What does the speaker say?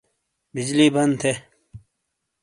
بجلی بن تھے۔